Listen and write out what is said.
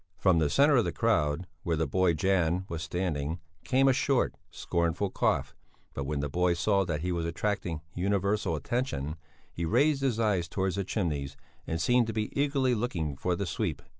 From the centre of the crowd, where the boy Janne was standing, came a short, scornful cough; but when the boy saw that he was attracting universal attention, he raised his eyes towards the chimneys, and seemed to be eagerly looking for the sweep.